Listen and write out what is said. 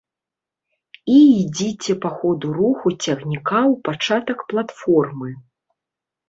І ідзіце па ходу руху цягніка ў пачатак платформы.